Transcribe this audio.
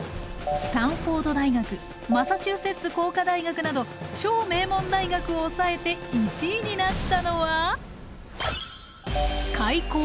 スタンフォード大学マサチューセッツ工科大学など超名門大学を抑えて１位になったのは開校